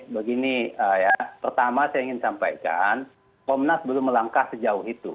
jadi saya harap semua pak bersabar saja